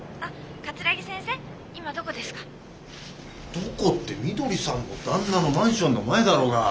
どこってみどりさんの旦那のマンションの前だろうが。